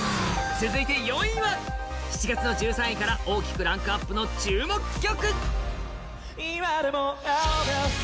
続いて４位は、７月の１３位から大きくランクアップの注目曲。